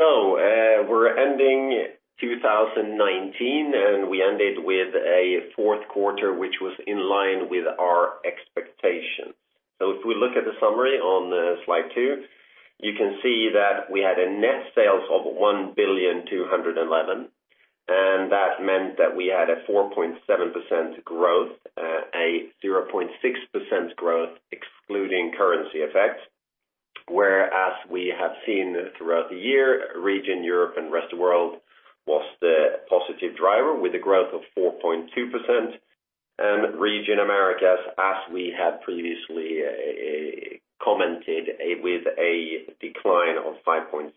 We're ending 2019, and we ended with a fourth quarter, which was in line with our expectations. If we look at the summary on slide two, you can see that we had a net sales of 1,211 million, and that meant that we had a 4.7% growth, a 0.6% growth excluding currency effects. We have seen throughout the year, region Europe and Rest of World was the positive driver with a growth of 4.2%, and region Americas, as we had previously commented, with a decline of 5.7%.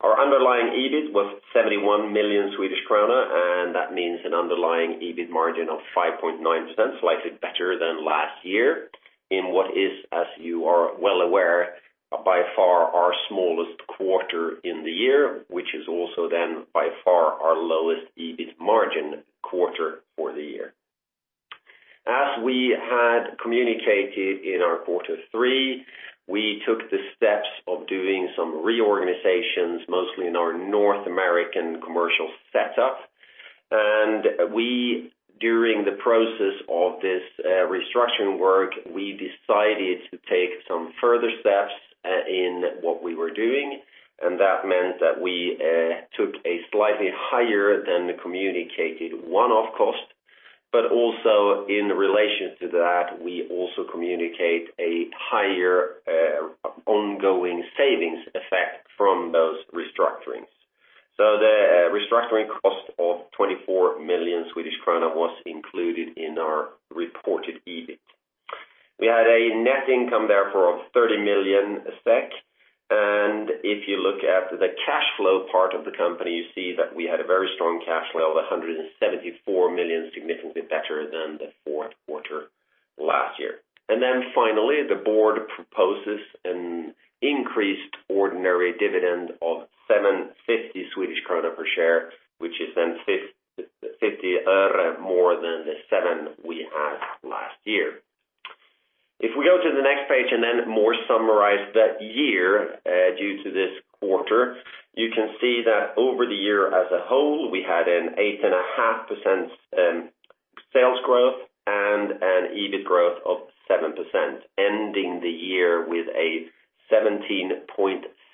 Our underlying EBIT was 71 million Swedish krona, and that means an underlying EBIT margin of 5.9%, slightly better than last year in what is, as you are well aware, by far our smallest quarter in the year, which is also then by far our lowest EBIT margin quarter for the year. As we had communicated in our quarter three, we took the steps of doing some reorganizations, mostly in our North American commercial setup. We, during the process of this restructuring work, we decided to take some further steps in what we were doing, and that meant that we took a slightly higher than the communicated one-off cost, but also in relation to that, we also communicate a higher ongoing savings effect from those restructurings. The restructuring cost of 24 million Swedish krona was included in our reported EBIT. We had a net income there for 30 million SEK, and if you look at the cash flow part of the company, you see that we had a very strong cash flow of 174 million, significantly better than the fourth quarter last year. Finally, the board proposes an increased ordinary dividend of 7.50 Swedish krona per share, which is 0.50 more than 7 we had last year. If we go to the next page and more summarize the year due to this quarter, you can see that over the year as a whole, we had an 8.5% sales growth and an EBIT growth of 7%, ending the year with a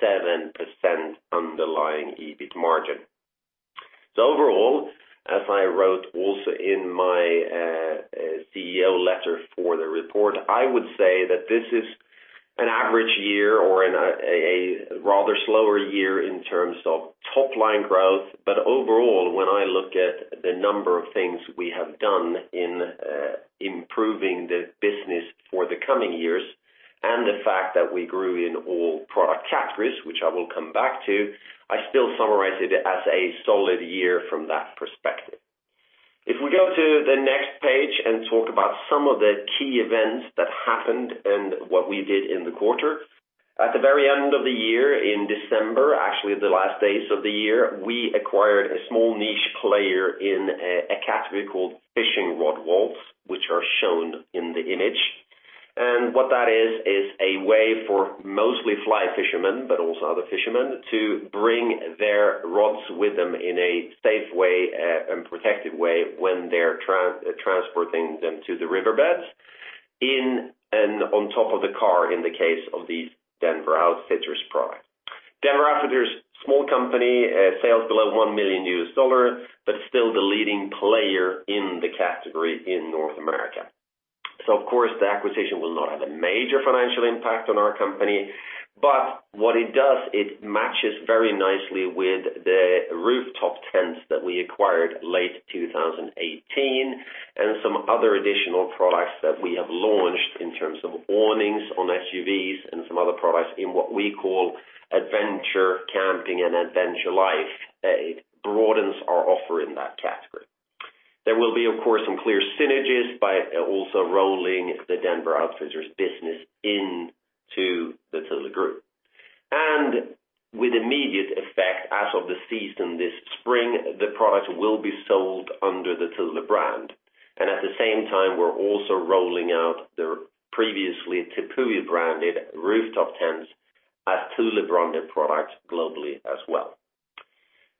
17.7% underlying EBIT margin. Overall, as I wrote also in my CEO letter for the report, I would say that this is an average year or a rather slower year in terms of top-line growth. Overall, when I look at the number of things we have done in improving the business for the coming years and the fact that we grew in all product categories, which I will come back to, I still summarize it as a solid year from that perspective. If we go to the next page and talk about some of the key events that happened and what we did in the quarter. At the very end of the year in December, actually the last days of the year, we acquired a small niche player in a category called fishing rod vaults, which are shown in the image. What that is a way for mostly fly fishermen, but also other fishermen, to bring their rods with them in a safe way and protected way when they're transporting them to the riverbeds in and on top of the car in the case of these Denver Outfitters product. Denver Outfitters, small company, sales below SEK 1 million, but still the leading player in the category in North America. Of course, the acquisition will not have a major financial impact on our company, but what it does, it matches very nicely with the rooftop tents that we acquired late 2018 and some other additional products that we have launched in terms of awnings on SUVs and some other products in what we call adventure camping and adventure life. It broadens our offer in that category. There will be, of course, some clear synergies by also rolling the Denver Outfitters business into the Thule Group. With immediate effect, as of the season this spring, the product will be sold under the Thule brand. At the same time, we're also rolling out the previously Tepui-branded rooftop tents as Thule-branded products globally as well.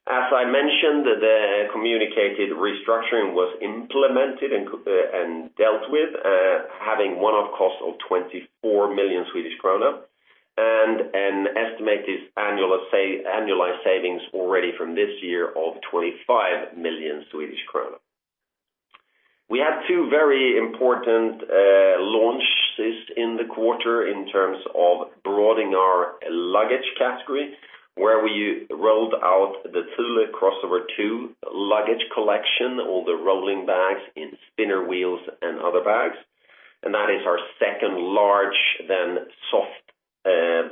As I mentioned, the communicated restructuring was implemented and dealt with, having one-off cost of 24 million Swedish kronor and an estimated annualized savings already from this year of 25 million Swedish kronor. We had two very important launches in the quarter in terms of broadening our luggage category, where we rolled out the Thule Crossover 2 luggage collection, all the rolling bags in spinner wheels and other bags. That is our second large than soft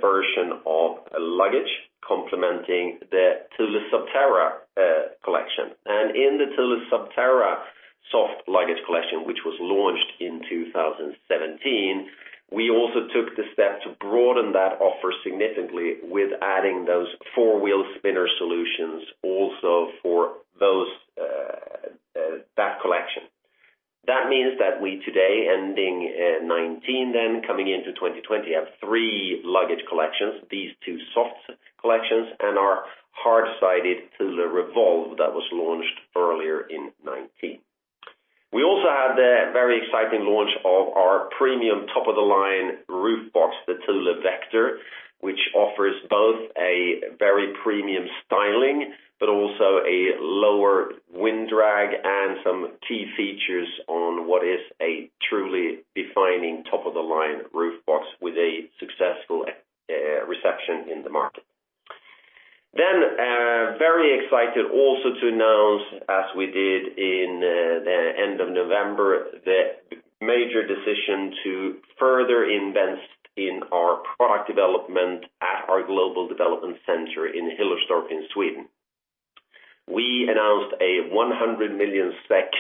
version of luggage complementing the Thule Subterra collection. In the Thule Subterra soft luggage collection, which was launched in 2017, we also took the step to broaden that offer significantly with adding those four-wheel spinner solutions also for those. That means that we today, ending in 2019, then coming into 2020, have three luggage collections, these two soft collections, and our hard-sided Thule Revolve that was launched earlier in 2019. We also had the very exciting launch of our premium top-of-the-line roof box, the Thule Vector, which offers both a very premium styling but also a lower wind drag and some key features on what is a truly defining top-of-the-line roof box with a successful reception in the market. Very excited also to announce, as we did in the end of November, the major decision to further invest in our product development at our global development center in Hillerstorp in Sweden. We announced a 100 million SEK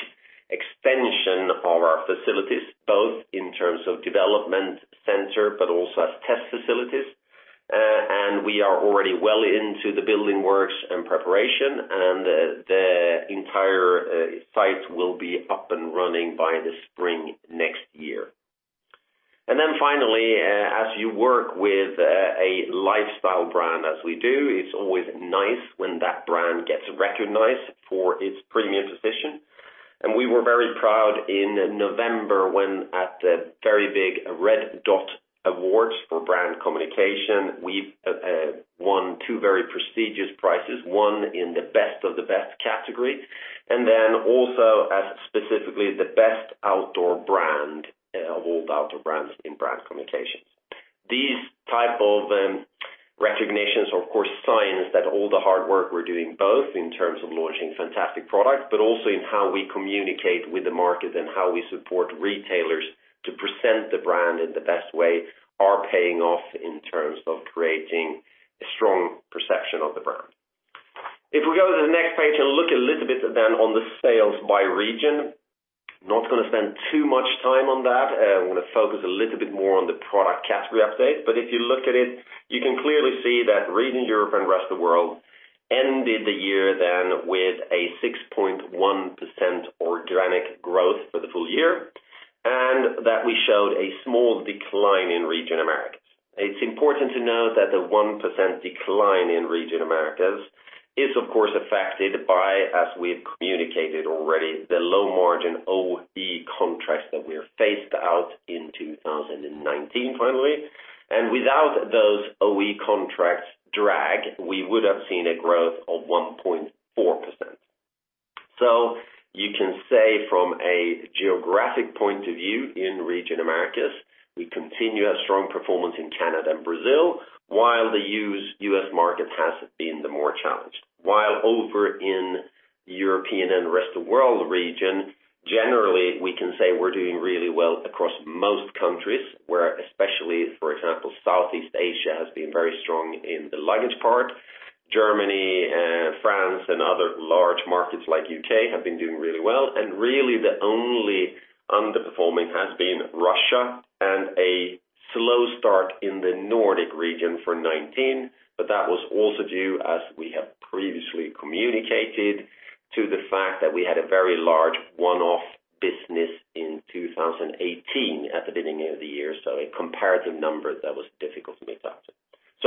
extension of our facilities, both in terms of development center, but also as test facilities. We are already well into the building works and preparation, and the entire site will be up and running by the spring next year. Then finally, as you work with a lifestyle brand as we do, it's always nice when that brand gets recognized for its premium position. We were very proud in November when at the very big Red Dot Awards for brand communication, we won two very prestigious prizes, one in the Best of the Best category, and then also as specifically the best outdoor brand of all the outdoor brands in brand communications. These type of recognitions are, of course, signs that all the hard work we're doing, both in terms of launching fantastic products but also in how we communicate with the market and how we support retailers to present the brand in the best way, are paying off in terms of creating a strong perception of the brand. If we go to the next page and look a little bit then on the sales by region, not going to spend too much time on that. I want to focus a little bit more on the product category update. If you look at it, you can clearly see that region Europe and Rest of the World ended the year then with a 6.1% organic growth for the full year, and that we showed a small decline in region Americas. It's important to note that the 1% decline in region Americas is, of course, affected by, as we've communicated already, the low-margin OE contracts that we have phased out in 2019 finally. Without those OE contracts drag, we would have seen a growth of 1.4%. You can say from a geographic point of view in region Americas, we continue a strong performance in Canada and Brazil, while the U.S. market has been the more challenged. While over in European and rest of World region, generally, we can say we're doing really well across most countries where especially, for example, Southeast Asia has been very strong in the luggage part. Germany, France, and other large markets like U.K. have been doing really well. Really the only underperforming has been Russia and a slow start in the Nordic region for 2019. That was also due, as we have previously communicated, to the fact that we had a very large one-off business in 2018 at the beginning of the year. A comparative number that was difficult to make up.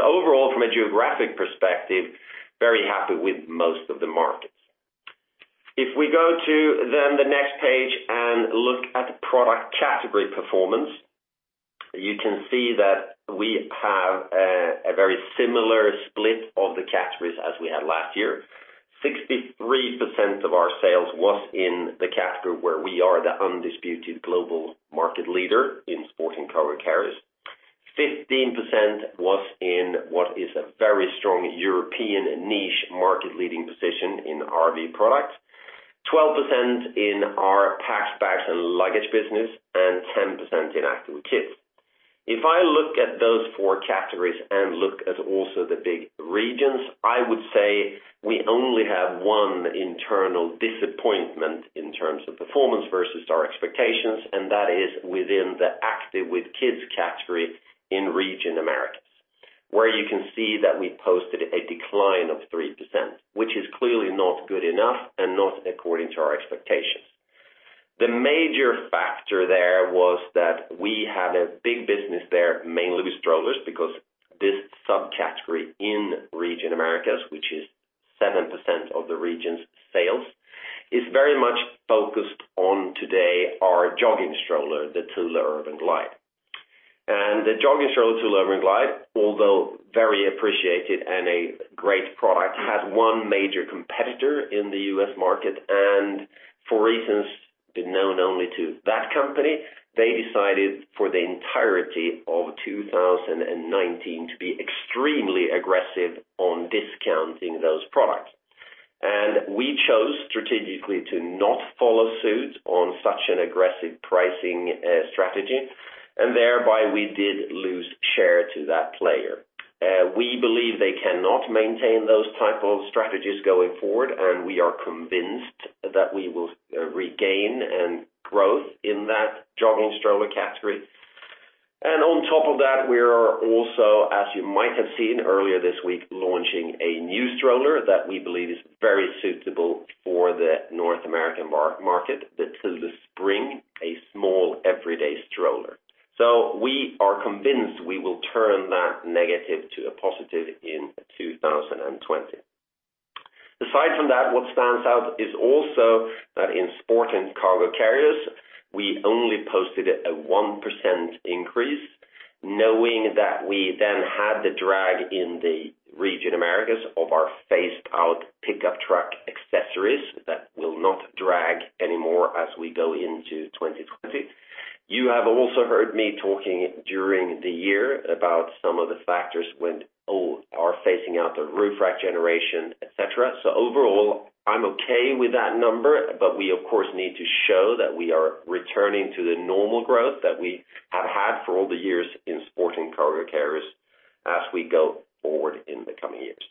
Overall, from a geographic perspective, very happy with most of the markets. If we go to then the next page and look at the product category performance, you can see that we have a very similar split of the categories as we had last year. 63% of our sales was in the category where we are the undisputed global market leader in Sport & Cargo Carriers. 15% was in what is a very strong European niche market-leading position in RV Products, 12% in our Packs, Bags & Luggage business, and 10% in Active with Kids. If I look at those four categories and look at also the big regions, I would say we only have one internal disappointment in terms of performance versus our expectations, and that is within the Active with Kids category in region Americas, where you can see that we posted a decline of 3%, which is clearly not good enough and not according to our expectations. The major factor there was that we have a big business there, mainly with strollers, because this subcategory in region Americas, which is 7% of the region's sales, is very much focused on today our jogging stroller, the Thule Urban Glide. The jogging stroller, Thule Urban Glide, although very appreciated and a great product, had one major competitor in the U.S. market. For reasons known only to that company, they decided for the entirety of 2019 to be extremely aggressive on discounting those products. We chose strategically to not follow suit on such an aggressive pricing strategy, and thereby we did lose share to that player. We believe they cannot maintain those type of strategies going forward, and we are convinced that we will regain and growth in that jogging stroller category. On top of that, we are also, as you might have seen earlier this week, launching a new stroller that we believe is very suitable for the North American market, the Thule Spring, a small everyday stroller. We are convinced we will turn that negative to a positive in 2020. Aside from that, what stands out is also that in Sport & Cargo Carriers, we only posted a 1% increase, knowing that we then had the drag in the region Americas of our phased-out pickup truck accessories that will not drag anymore as we go into 2020. You have also heard me talking during the year about some of the factors when all are phasing out the roof rack generation, et cetera. Overall, I'm okay with that number, but we of course, need to show that we are returning to the normal growth that we have had for all the years in Sport & Cargo Carriers as we go forward in the coming years.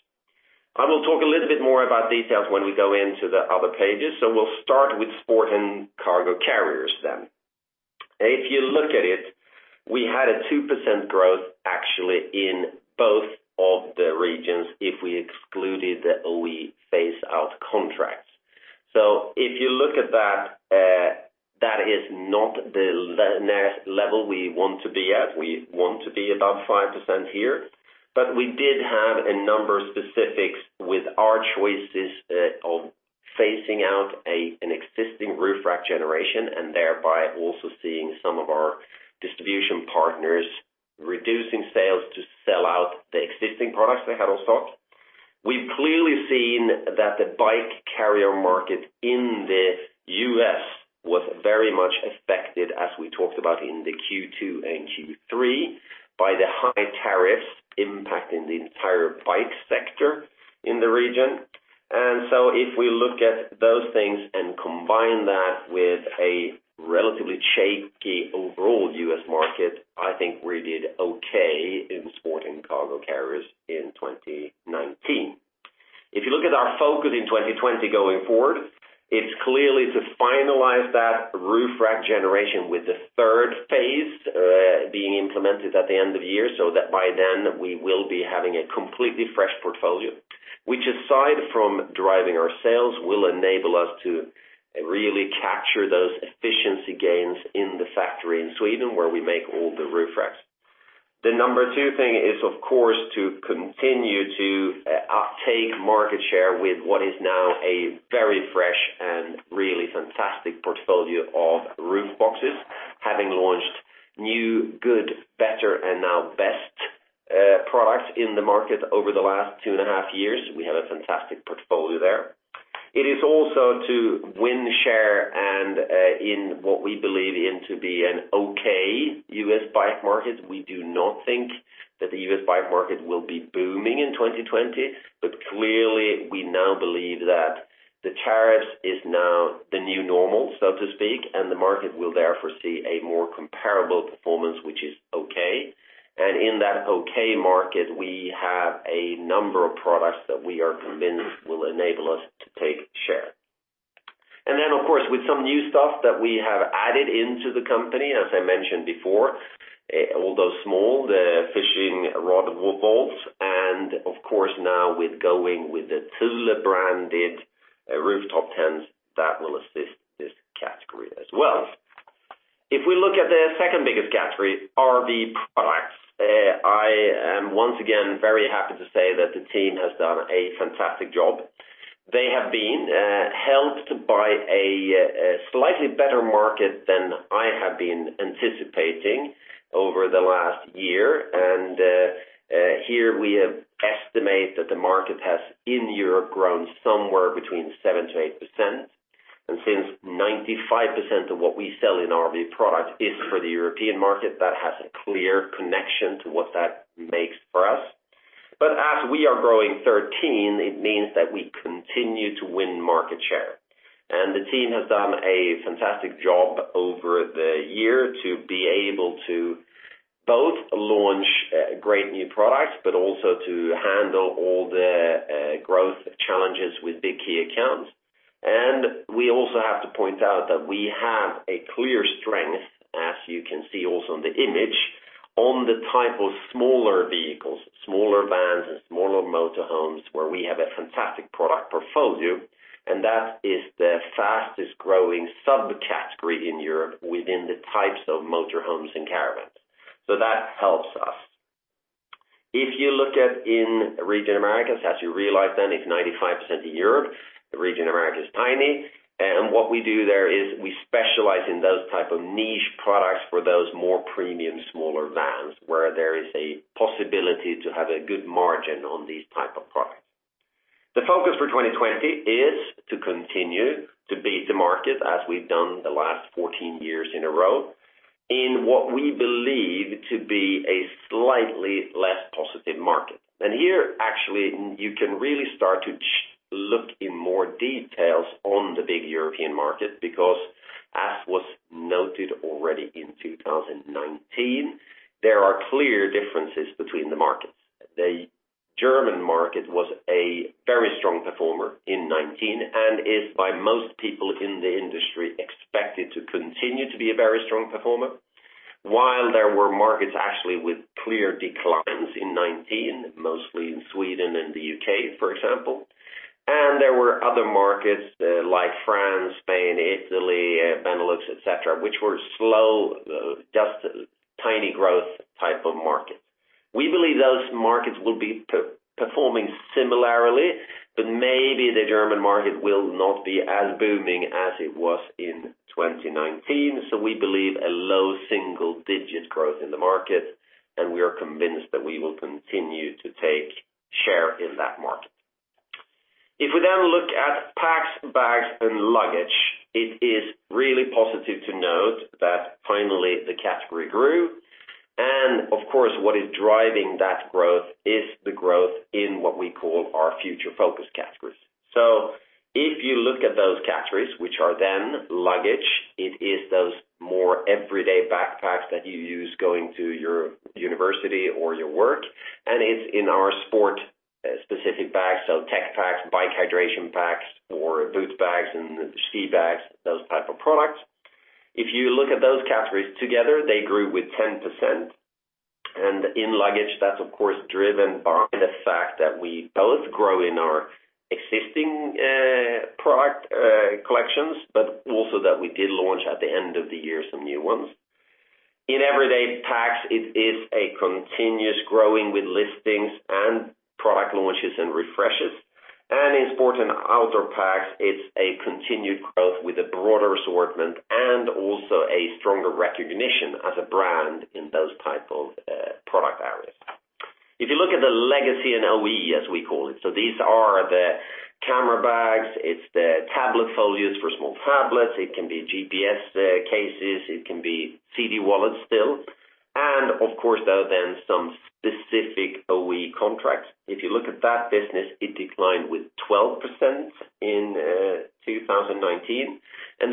I will talk a little bit more about details when we go into the other pages. We'll start with Sport & Cargo Carriers then. If you look at it, we had a 2% growth actually in both of the regions if we excluded the OE phase out contracts. If you look at that is not the next level we want to be at. We want to be above 5% here, we did have a number specifics with our choices of phasing out an existing roof rack generation and thereby also seeing some of our distribution partners reducing sales to sell out the existing products they had on stock. We've clearly seen that the bike carrier market in the U.S. was very much affected as we talked about in the Q2 and Q3 by the high tariffs impacting the entire bike sector in the region. If we look at those things and combine that with a relatively shaky overall U.S. market, I think we did okay in Sport & Cargo Carriers in 2019. If you look at our focus in 2020 going forward, it's clearly to finalize that roof rack generation with the third phase being implemented at the end of the year, so that by then we will be having a completely fresh portfolio. Which aside from driving our sales, will enable us to really capture those efficiency gains in the factory in Sweden where we make all the roof racks. The number two thing is, of course, to continue to uptake market share with what is now a very fresh and really fantastic portfolio of roof boxes, having launched new, good, better, and now best products in the market over the last two and a half years. We have a fantastic portfolio there. It is also to win share and in what we believe in to be an okay U.S. bike market. We do not think that the U.S. bike market will be booming in 2020, but clearly we now believe that the tariffs is now the new normal, so to speak, and the market will therefore see a more comparable performance, which is okay. In that okay market, we have a number of products that we are convinced will enable us to take share. Then, of course, with some new stuff that we have added into the company, as I mentioned before, although small, the fishing rod vaults, and of course now with going with the Thule-branded rooftop tents that will assist this category as well. If we look at the second biggest category, RV Products, I am once again very happy to say that the team has done a fantastic job. They have been helped by a slightly better market than I have been anticipating over the last year. Here we have estimated that the market has, in Europe, grown somewhere between 7%-8%. Since 95% of what we sell in RV Products is for the European market, that has a clear connection to what that makes for us. As we are growing 13%, it means that we continue to win market share. The team has done a fantastic job over the year to be able to both launch great new products, but also to handle all the growth challenges with big key accounts. We also have to point out that we have a clear strength, as you can see also on the image, on the type of smaller vehicles, smaller vans, and smaller motor homes, where we have a fantastic product portfolio, and that is the fastest-growing subcategory in Europe within the types of motor homes and caravans. That helps us. If you look at in region Americas, as you realize then it's 95% in Europe, the region Americas is tiny. What we do there is we specialize in those type of niche products for those more premium smaller vans, where there is a possibility to have a good margin on these type of products. The focus for 2020 is to continue to beat the market as we've done the last 14 years in a row in what we believe to be a slightly less positive market. Here actually, you can really start to look in more details on the big European market, because as was noted already in 2019, there are clear differences between the markets. The German market was a very strong performer in 2019, and is by most people in the industry expected to continue to be a very strong performer. There were markets actually with clear declines in 2019, mostly in Sweden and the U.K., for example, and there were other markets like France, Spain, Italy, Benelux, et cetera, which were slow, just tiny growth type of markets. We believe those markets will be performing similarly, maybe the German market will not be as booming as it was in 2019. We believe a low single-digit growth in the market, and we are convinced that we will continue to take share in that market. If we then look at Packs, Bags & Luggage, it is really positive to note that finally the category grew. Of course, what is driving that growth is the growth in what we call our future focus categories. If you look at those categories, which are then luggage, it is those more everyday backpacks that you use going to your university or your work, and it's in our sport-specific bags, so tech packs, bike hydration packs or boots bags and ski bags, those type of products. If you look at those categories together, they grew with 10%. In luggage, that's of course, driven by the fact that we both grow in our existing product collections, but also that we did launch at the end of the year, some new ones. In everyday packs, it is a continuous growing with listings and product launches and refreshes. In sport and outdoor packs, it's a continued growth with a broader assortment and also a stronger recognition as a brand in those type of product areas. If you look at the legacy and OE, as we call it. These are the camera bags, it's the tablet folios for small tablets, it can be GPS cases, it can be CD wallets still, and of course, they are then some specific OE contracts. If you look at that business, it declined with 12% in 2019.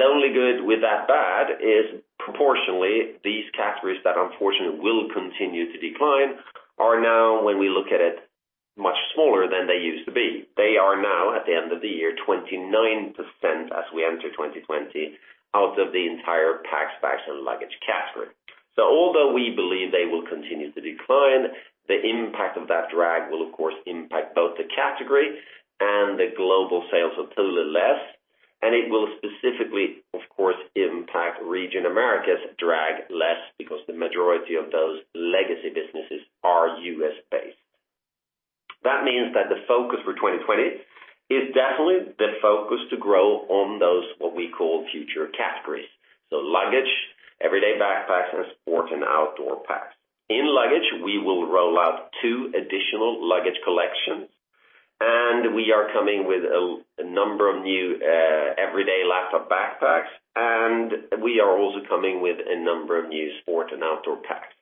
The only good with that bad is proportionally, these categories that unfortunately will continue to decline are now, when we look at it, much smaller than they used to be. They are now, at the end of the year, 29% as we enter 2020, out of the entire Packs, Bags & Luggage category. Although we believe they will continue to decline, the impact of that drag will, of course, impact both the category and the global sales of Thule less, and it will specifically, of course, impact region Americas drag less because the majority of those legacy businesses are U.S.-based. That means that the focus for 2020 is definitely the focus to grow on those what we call future categories. Luggage, everyday backpacks, and sport and outdoor packs. In luggage, we will roll out two additional luggage collections, and we are coming with a number of new everyday laptop backpacks, and we are also coming with a number of new sport and outdoor packs.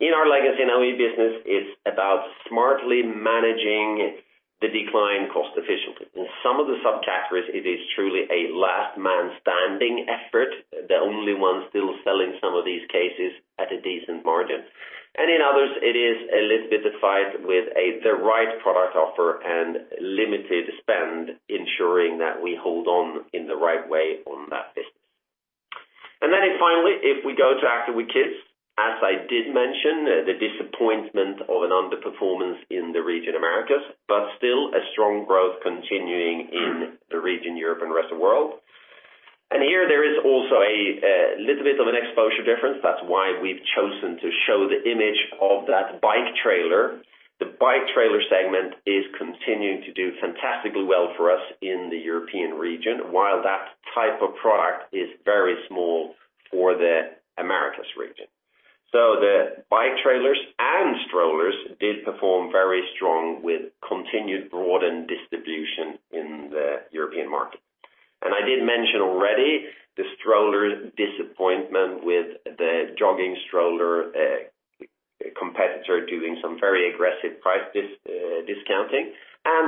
In our legacy and OE business, it's about smartly managing the decline cost efficiently. In some of the sub-categories, it is truly a last man standing effort, the only one still selling some of these cases at a decent margin. In others, it is a little bit of fight with the right product offer and limited spend, ensuring that we hold on in the right way on that business. Finally, if we go to Active with Kids, as I did mention, the disappointment of an underperformance in the region Americas, but still a strong growth continuing in the region Europe and Rest of World. Here, there is also a little bit of an exposure difference. That's why we've chosen to show the image of that bike trailer. The bike trailer segment is continuing to do fantastically well for us in the European region, while that type of product is very small for the Americas region. The bike trailers and strollers did perform very strong with continued broadened distribution in the European market. I did mention already the stroller disappointment with the jogging stroller competitor doing some very aggressive price discounting.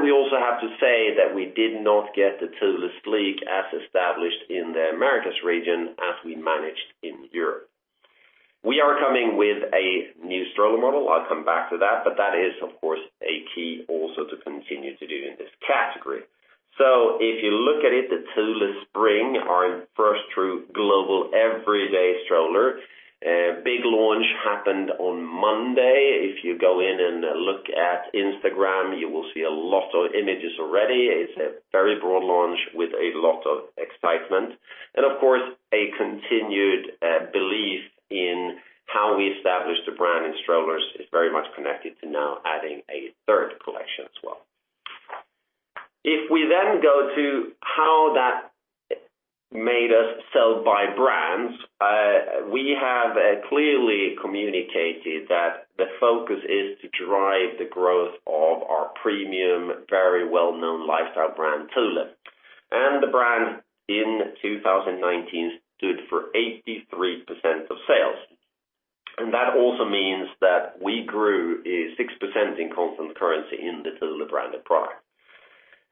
We also have to say that we did not get the Thule Sleek as established in the Americas region as we managed in Europe. We are coming with a new stroller model. I'll come back to that, but that is, of course, a key also to continue to do in this category. If you look at it, the Thule Spring, our first true global everyday stroller. Big launch happened on Monday. If you go in and look at Instagram, you will see a lot of images already. It's a very broad launch with a lot of excitement. Of course, a continued belief in how we establish the brand in strollers is very much connected to now adding a third collection as well. We have clearly communicated that the focus is to drive the growth of our premium, very well-known lifestyle brand, Thule. The brand in 2019 stood for 83% of sales. That also means that we grew 6% in constant currency in the Thule-branded product.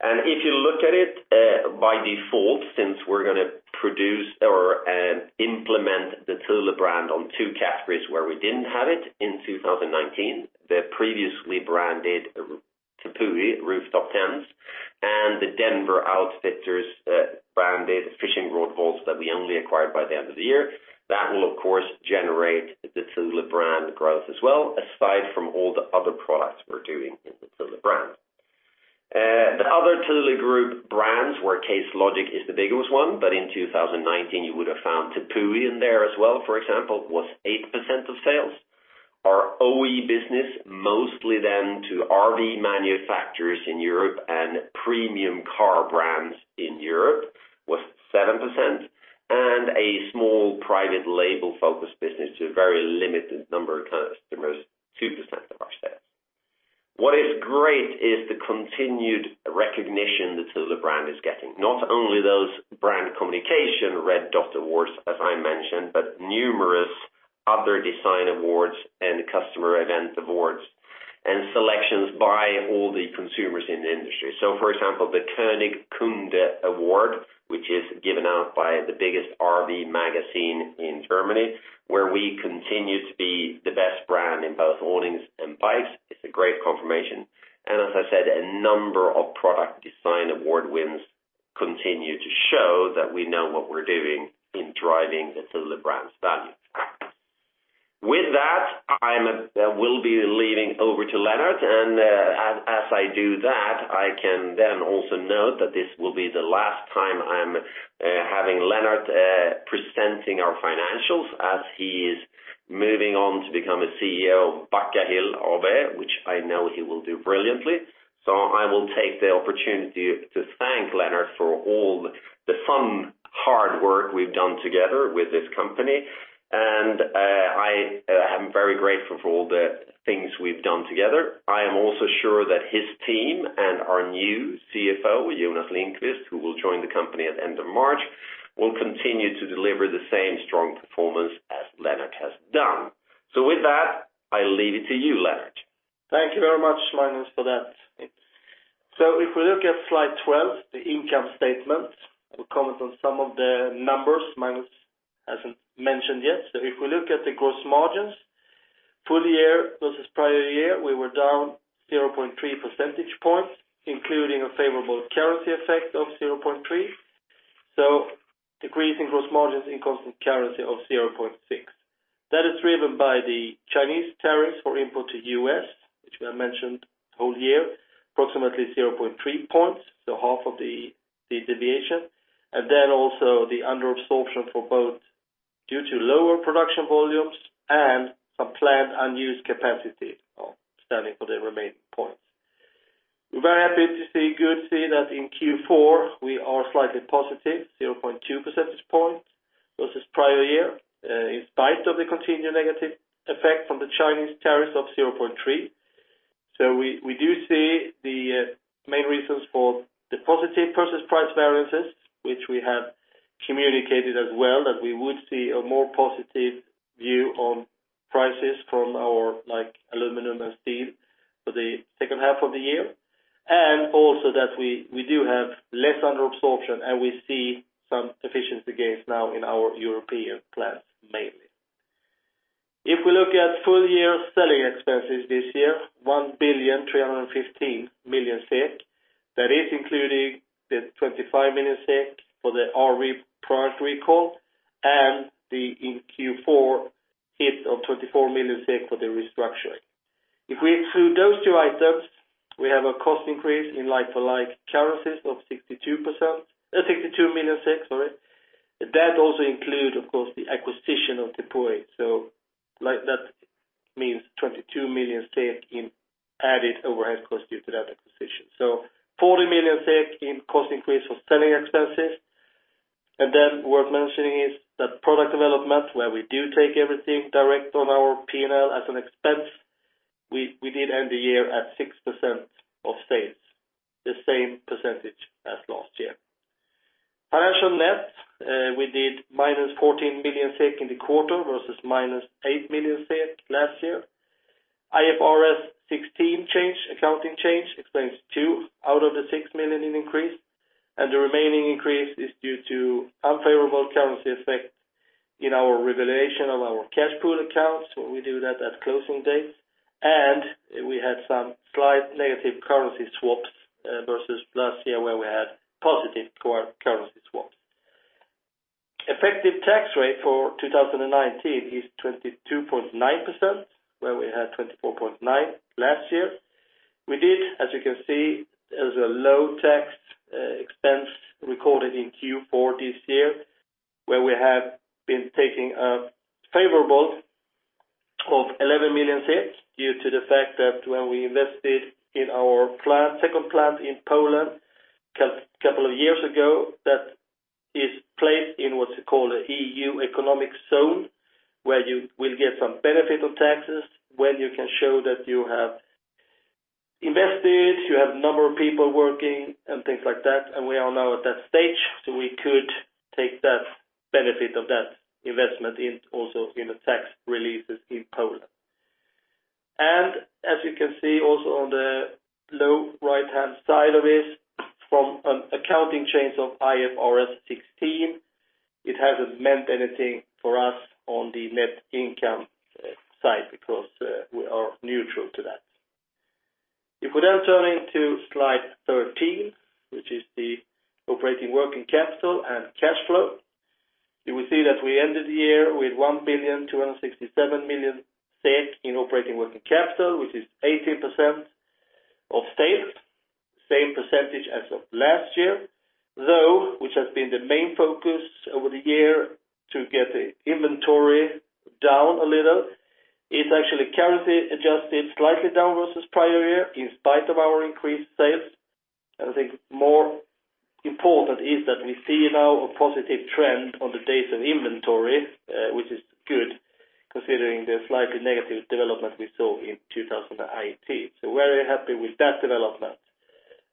If you look at it by default, since we're going to produce or implement the Thule brand on two categories where we didn't have it in 2019, the previously branded Tepui rooftop tents and the Denver Outfitters branded fishing rod vaults that we only acquired by the end of the year. That will, of course, generate the Thule brand growth as well aside from all the other products we're doing in the Thule brand. The other Thule Group brands, where Case Logic is the biggest one, but in 2019 you would have found Tepui in there as well, for example, was 8% of sales. Our OE business, mostly then to RV manufacturers in Europe and premium car brands in Europe, was 7%, and a small private label-focused business to a very limited number of customers, 2% of our sales. What is great is the continued recognition the Thule brand is getting, not only those brand communication Red Dot awards, as I mentioned, but numerous other design awards and customer event awards, and selections by all the consumers in the industry. The König Kunde Award, which is given out by the biggest RV magazine in Germany, where we continue to be the best brand in both awnings and bikes. It's a great confirmation. A number of product design award wins continue to show that we know what we're doing in driving the Thule brand's value. With that, I will be leading over to Lennart, and as I do that, I can then also note that this will be the last time I'm having Lennart presenting our financials as he is moving on to become a CEO of Backahill AB, which I know he will do brilliantly. I will take the opportunity to thank Lennart for all the fun, hard work we've done together with this company. I am very grateful for all the things we've done together. I am also sure that his team and our new CFO, Jonas Lindqvist, who will join the company at end of March, will continue to deliver the same strong performance as Lennart has done. With that, I leave it to you, Lennart. Thank you very much, Magnus, for that. If we look at slide 12, the income statement, I will comment on some of the numbers Magnus hasn't mentioned yet. If we look at the gross margins, full year versus prior year, we were down 0.3 percentage points, including a favorable currency effect of 0.3. Decrease in gross margins in constant currency of 0.6. That is driven by the Chinese tariffs for import to U.S., which we have mentioned whole year, approximately 0.3 points, so half of the deviation. Also the under-absorption for both due to lower production volumes and some planned unused capacity standing for the remaining points. We're very happy to see that in Q4, we are slightly positive, 0.2 percentage points versus prior year, in spite of the continued negative effect from the Chinese tariffs of 0.3. We do see the main reasons for the positive purchase price variances, which we have communicated as well that we would see a more positive view on prices from our aluminum and steel for the second half of the year. Also that we do have less under-absorption, and we see some efficiency gains now in our European plants mainly. We look at full year selling expenses this year, SEK 1,315 million. That is including the SEK 25 million for the RV Products recall and the, in Q4, hit of 24 million SEK for the restructuring. We exclude those two items, we have a cost increase in like-for-like currencies of 62 million. That also include, of course, the acquisition of Tepui. That means 22 million SEK in added overhead cost due to that acquisition. 40 million SEK in cost increase of selling expenses. Worth mentioning is that product development, where we do take everything direct on our P&L as an expense, we did end the year at 6% of sales, the same percentage as last year. Financial net, we did -14 million SEK in the quarter versus -8 million SEK last year. IFRS 16 accounting change explains two out of the 6 million in increase, the remaining increase is due to unfavorable currency effect in our revaluation of our cash pool accounts when we do that at closing dates. We had some slight negative currency swaps versus last year where we had positive currency swaps. Effective tax rate for 2019 is 22.9%, where we had 24.9% last year. We did, as you can see, there's a low tax expense recorded in Q4 this year, where we have been taking a favorable of 11 million due to the fact that when we invested in our second plant in Poland a couple of years ago, that is placed in what's called an EU economic zone, where you will get some benefit of taxes when you can show that you have invested, you have a number of people working and things like that. We are now at that stage, so we could take that benefit of that investment in also in the tax releases in Poland. As you can see also on the low right-hand side of this, from an accounting change of IFRS 16, it hasn't meant anything for us on the net income side because we are neutral to that. If we turn into slide 13, which is the operating working capital and cash flow, you will see that we ended the year with 1.267 billion in operating working capital, which is 18% of sales. Same percentage as of last year, though, which has been the main focus over the year to get the inventory down a little. It's actually currency-adjusted, slightly down versus prior year, in spite of our increased sales. I think more important is that we see now a positive trend on the days of inventory, which is good considering the slightly negative development we saw in 2018. We're very happy with that development.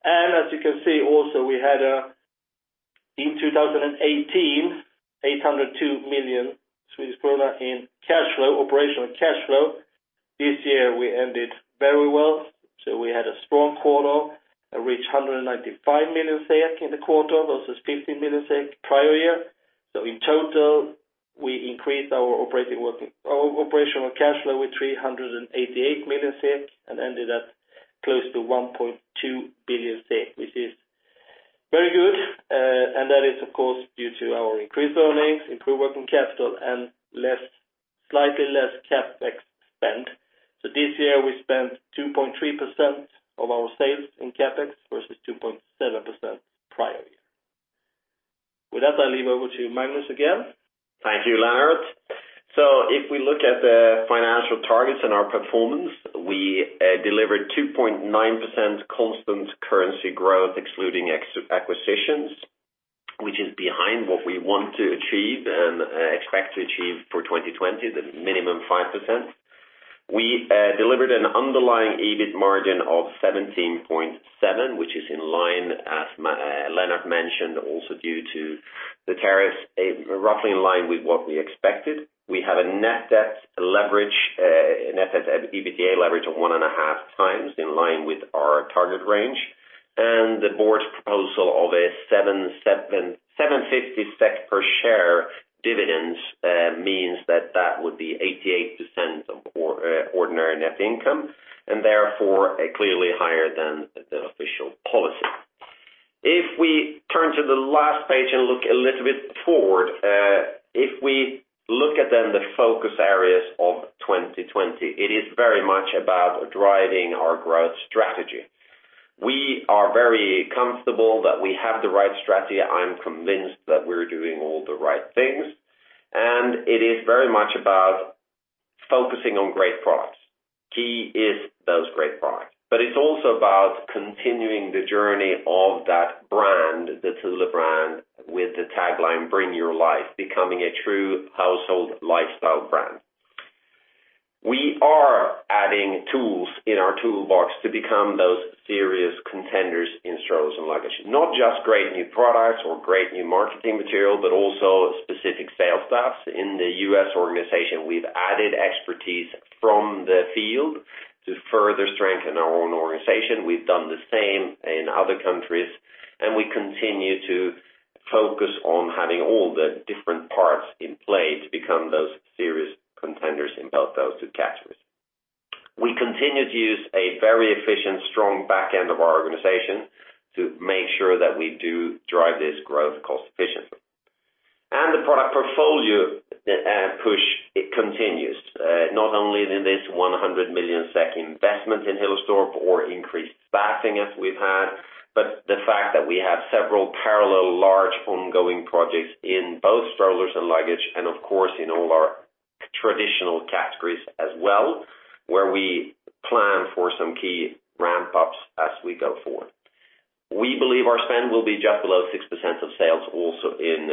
As you can see also, we had in 2018, 802 million Swedish krona in cash flow, operational cash flow. This year we ended very well. We had a strong quarter, reached 195 million SEK in the quarter versus 15 million SEK prior year. In total, we increased our operational cash flow with 388 million SEK and ended at close to 1.2 billion SEK, which is very good. That is of course due to our increased earnings, improved working capital, and slightly less CapEx spend. This year we spent 2.3% of our sales in CapEx versus 2.7% prior year. With that, I leave over to Magnus again. Thank you, Lennart. If we look at the financial targets and our performance, we delivered 2.9% constant currency growth excluding acquisitions, which is behind what we want to achieve and expect to achieve for 2020, the minimum 5%. We delivered an underlying EBIT margin of 17.7%, which is in line, as Lennart mentioned, also due to the tariffs, roughly in line with what we expected. We have a net debt leverage, a net debt/EBITDA leverage of 1.5x in line with our target range. The board's proposal of a 7.50 SEK per share dividends means that that would be 88% of ordinary net income, and therefore, clearly higher than the official policy. If we turn to the last page and look a little bit forward, if we look at then the focus areas of 2020, it is very much about driving our growth strategy. We are very comfortable that we have the right strategy. I'm convinced that we're doing all the right things, and it is very much about focusing on great products. Key is those great products, but it's also about continuing the journey of that brand, the Thule brand, with the tagline, "Bring your life," becoming a true household lifestyle brand. We are adding tools in our toolbox to become those serious contenders in strollers and luggage. Not just great new products or great new marketing material, but also specific sales staffs. In the U.S. organization, we've added expertise from the field to further strengthen our own organization. We've done the same in other countries, and we continue to focus on having all the different parts in play to become those serious contenders in both those two categories. We continue to use a very efficient, strong back end of our organization to make sure that we do drive this growth cost efficiently. The product portfolio push, it continues, not only in this 100 million SEK investment in Hillerstorp or increased staffing as we've had, but the fact that we have several parallel large ongoing projects in both strollers and luggage and of course, in all our traditional categories as well, where we plan for some key ramp-ups as we go forward. We believe our spend will be just below 6% of sales also in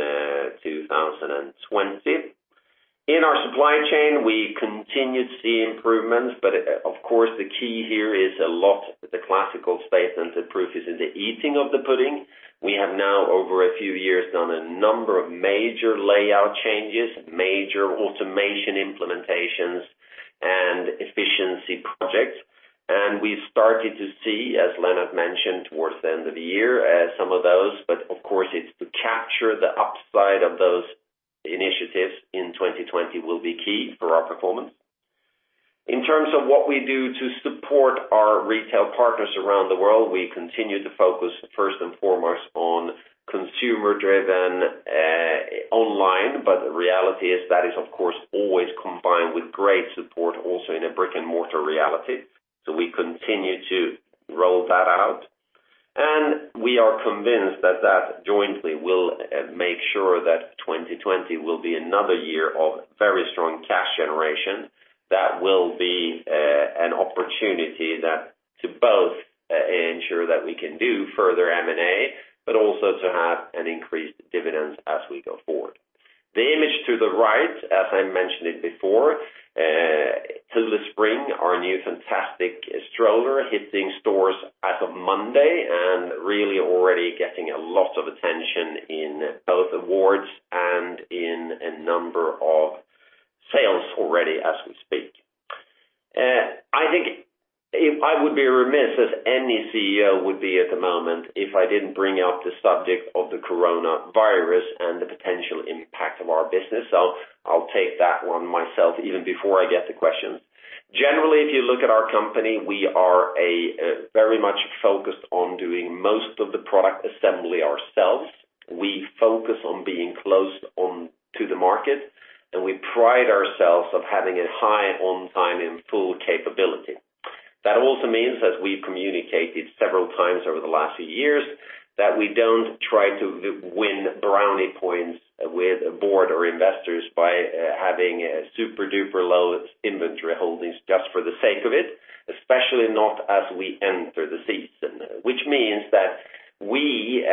2020. In our supply chain, we continue to see improvements, but of course, the key here is a lot the classical statement, the proof is in the eating of the pudding. We have now over a few years done a number of major layout changes, major automation implementations, and efficiency projects. We started to see, as Lennart mentioned towards the end of the year, some of those, but of course it is to capture the upside of those initiatives in 2020 will be key for our performance. In terms of what we do to support our retail partners around the world, we continue to focus first and foremost on consumer-driven online, but the reality is that is, of course, always combined with great support also in a brick-and-mortar reality. We continue to roll that out, and we are convinced that that jointly will make sure that 2020 will be another year of very strong cash generation. That will be an opportunity that to both ensure that we can do further M&A, but also to have an increased dividend as we go forward. The image to the right, as I mentioned it before, Thule Spring, our new fantastic stroller, hitting stores as of Monday and really already getting a lot of attention in both awards and in a number- speak. I think I would be remiss as any CEO would be at the moment if I didn't bring up the subject of the coronavirus and the potential impact of our business. I'll take that one myself even before I get to questions. Generally, if you look at our company, we are very much focused on doing most of the product assembly ourselves. We focus on being close to the market, and we pride ourselves on having a high on-time and full capability. That also means that we communicated several times over the last few years that we don't try to win brownie points with a board or investors by having super-duper low inventory holdings just for the sake of it, especially not as we enter the season. Which means that we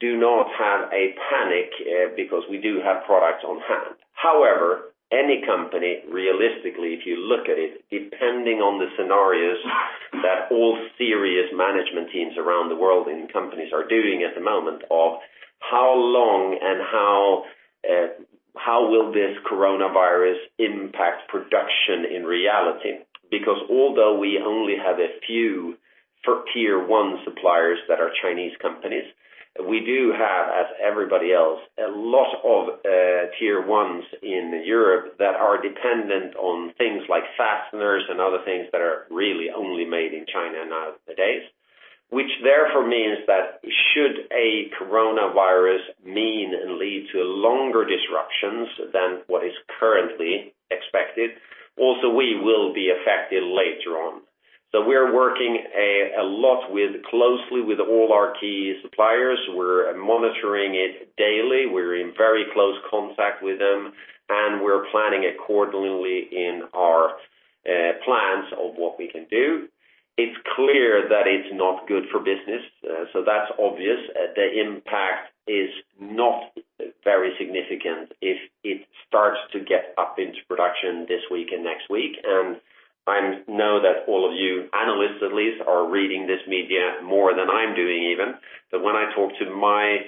do not have a panic, because we do have products on hand. However, any company, realistically, if you look at it, depending on the scenarios that all serious management teams around the world in companies are doing at the moment of how long and how will this coronavirus impact production in reality. Because although we only have a few tier 1 suppliers that are Chinese companies, we do have, as everybody else, a lot of tier 1s in Europe that are dependent on things like fasteners and other things that are really only made in China nowadays. Which therefore means that should a coronavirus mean and lead to longer disruptions than what is currently expected, also we will be affected later on. We're working a lot closely with all our key suppliers. We're monitoring it daily. We're in very close contact with them, and we're planning accordingly in our plans of what we can do. It's clear that it's not good for business, so that's obvious. The impact is not very significant if it starts to get up into production this week and next week. I know that all of you, analysts at least, are reading this media more than I'm doing even. That when I talk to my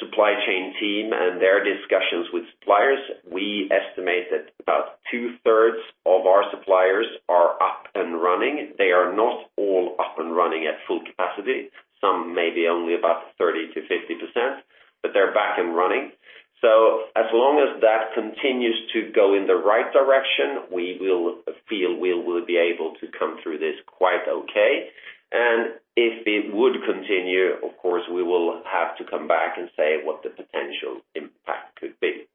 supply chain team and their discussions with suppliers, we estimate that about two-thirds of our suppliers are up and running. They are not all up and running at full capacity. Some may be only about 30%-50%, but they're back and running. As long as that continues to go in the right direction, we will feel we will be able to come through this quite okay. If it would continue, of course, we will have to come back and say what the potential impact could be.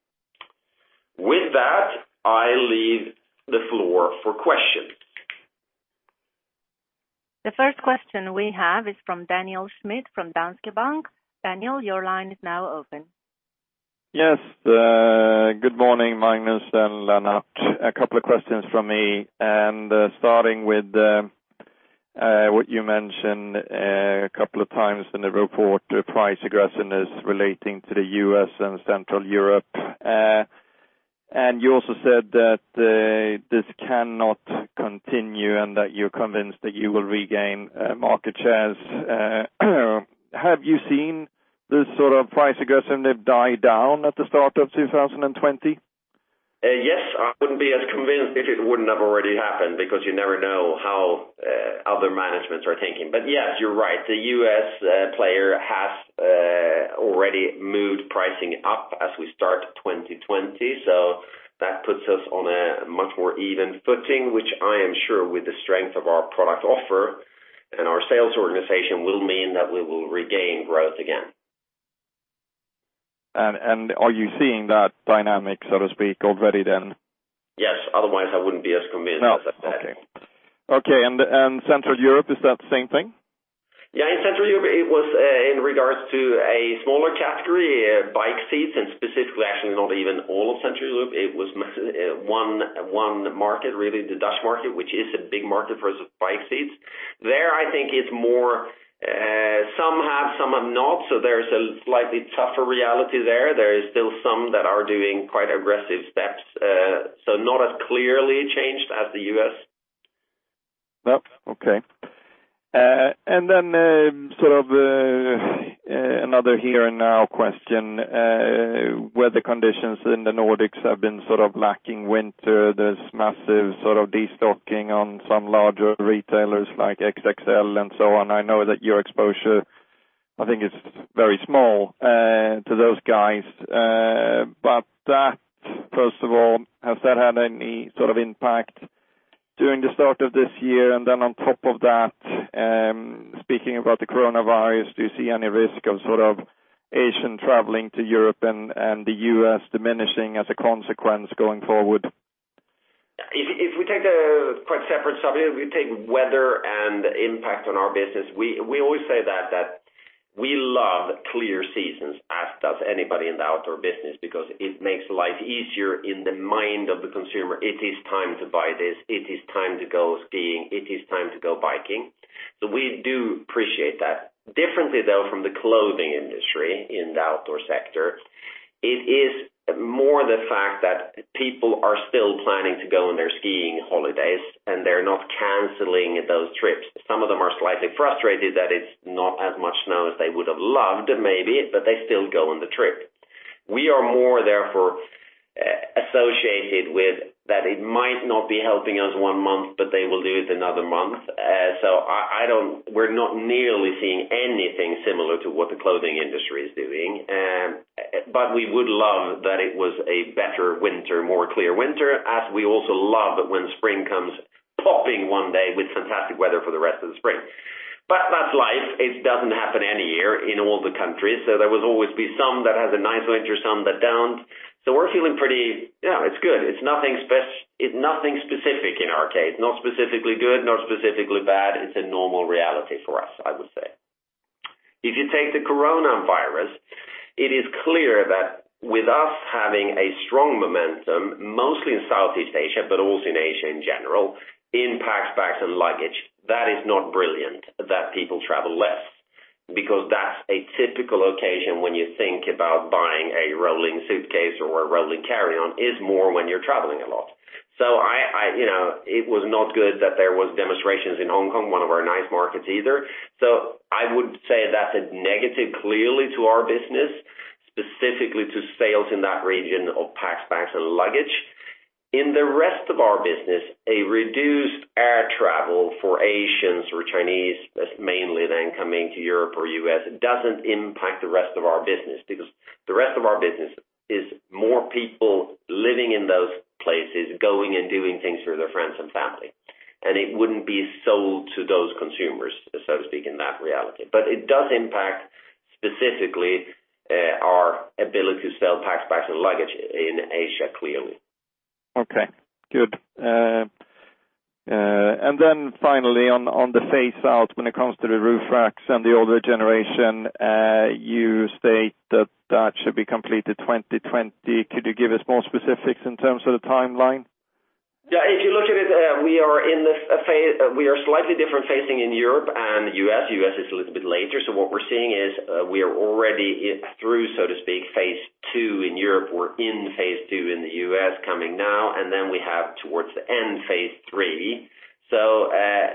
With that, I leave the floor for questions. The first question we have is from Daniel Schmidt from Danske Bank. Daniel, your line is now open. Yes. Good morning, Magnus and Lennart. A couple of questions from me. Starting with what you mentioned a couple of times in the report, price aggressiveness relating to the U.S. and Central Europe. You also said that this cannot continue and that you're convinced that you will regain market shares. Have you seen this sort of price aggressiveness die down at the start of 2020? Yes. I wouldn't be as convinced if it wouldn't have already happened, because you never know how other managements are thinking. Yes, you're right, the U.S. player has already moved pricing up as we start 2020. That puts us on a much more even footing, which I am sure with the strength of our product offer and our sales organization will mean that we will regain growth again. Are you seeing that dynamic, so to speak, already then? Yes. Otherwise, I wouldn't be as convinced as I am. Okay. Central Europe, is that the same thing? Yeah. In Central Europe, it was in regards to a smaller category, bike seats, and specifically, actually not even all of Central Europe. It was one market, really, the Dutch market, which is a big market for bike seats. There, I think it's more some have, some have not, so there's a slightly tougher reality there. There is still some that are doing quite aggressive steps. Not as clearly changed as the U.S. Okay. Sort of another here-and-now question. Weather conditions in the Nordics have been sort of lacking winter. There's massive sort of de-stocking on some larger retailers like XXL and so on. I know that your exposure, I think it's very small to those guys. First of all, has that had any sort of impact during the start of this year? On top of that, speaking about the coronavirus, do you see any risk of sort of Asian traveling to Europe and the U.S. diminishing as a consequence going forward? If we take the quite separate subject, we take weather and impact on our business. We always say that we love clear seasons, as does anybody in the outdoor business, because it makes life easier in the mind of the consumer. It is time to buy this. It is time to go skiing. It is time to go biking. We do appreciate that. Differently, though, from the clothing industry in the outdoor sector, it is more the fact that people are still planning to go on their skiing holidays, and they're not canceling those trips. Some of them are slightly frustrated that it's not as much snow as they would have loved, maybe, but they still go on the trip. We are more, therefore, associated with that it might not be helping us one month, but they will do it another month. We're not nearly seeing anything similar to what the clothing industry is doing. We would love that it was a better winter, more clear winter, as we also love when spring comes popping one day with fantastic weather for the rest of the spring. That's life. It doesn't happen any year in all the countries, so there will always be some that has a nice winter, some that don't. We're feeling pretty good. It's nothing specific in our case. Not specifically good, not specifically bad. It's a normal reality for us, I would say. If you take the coronavirus, it is clear that with us having a strong momentum, mostly in Southeast Asia, but also in Asia in general, in Packs, Bags & Luggage, that is not brilliant that people travel less because that's a typical occasion when you think about buying a rolling suitcase or a rolling carry-on, is more when you're traveling a lot. It was not good that there was demonstrations in Hong Kong, one of our nice markets, either. I would say that's a negative clearly to our business, specifically to sales in that region of Packs, Bags & Luggage. In the rest of our business, a reduced air travel for Asians or Chinese, that's mainly then coming to Europe or U.S., doesn't impact the rest of our business because the rest of our business is more people living in those places, going and doing things for their friends and family. It wouldn't be sold to those consumers, so to speak, in that reality. It does impact specifically our ability to sell Packs, Bags & Luggage in Asia, clearly. Okay, good. Finally on the phase outs when it comes to the roof racks and the older generation, you state that that should be completed 2020. Could you give us more specifics in terms of the timeline? Yeah. If you look at it, we are slightly different phasing in Europe and U.S. U.S. is a little bit later. What we're seeing is we are already through, so to speak, phase II in Europe. We're in phase II in the U.S. coming now, and then we have towards the end, phase III.